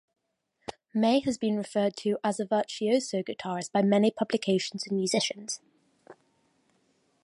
May has been referred to as a virtuoso guitarist by many publications and musicians.